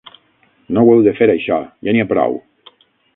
No heu de fer això. Ja n'hi ha prou!